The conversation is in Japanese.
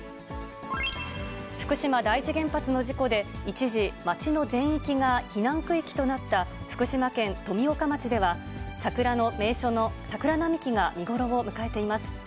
福島第一原発の事故で、一時、町の全域が避難区域となった、福島県富岡町では、桜の名所の桜並木が見頃を迎えています。